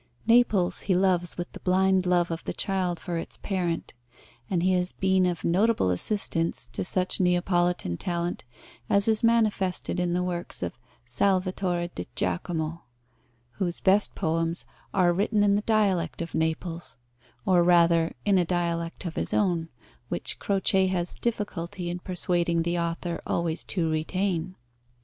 Naples he loves with the blind love of the child for its parent, and he has been of notable assistance to such Neapolitan talent as is manifested in the works of Salvatore di Giacomo, whose best poems are written in the dialect of Naples, or rather in a dialect of his own, which Croce had difficulty in persuading the author always to retain.